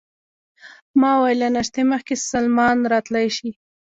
ما وویل: له ناشتې مخکې سلمان راتلای شي؟